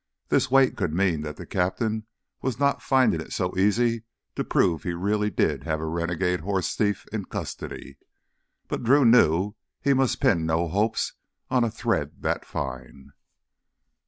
This wait could mean that the captain was not finding it so easy to prove he really did have a "renegade horse thief" in custody. But Drew knew he must pin no hopes on a thread that fine.